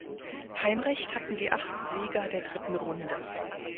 Heimrecht hatten die acht Sieger der dritten Runde.